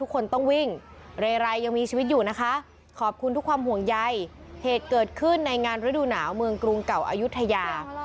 ของสหาวเมืองกรุงเก่าอายุทยา